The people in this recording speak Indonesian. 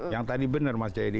yang tadi benar mas jayadi